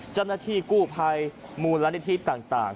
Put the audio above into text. จันทนาธิกู้ภัยมูลระนิทีต่าง